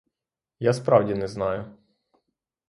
Я справді не знаю.